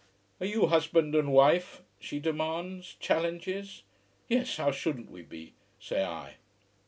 "Are you husband and wife?" she demands, challenge. "Yes, how shouldn't we be," say I.